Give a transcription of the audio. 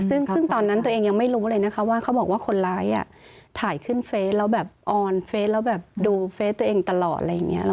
ซึ่งตอนนั้นตัวเองยังไม่รู้เลยนะคะว่าเขาบอกว่าคนร้ายถ่ายขึ้นเฟสแล้วแบบออนเฟสแล้วแบบดูเฟสตัวเองตลอดอะไรอย่างนี้